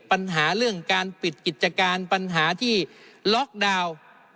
ปัญหาเรื่องการปิดกิจการปัญหาที่ล็อกดาวน์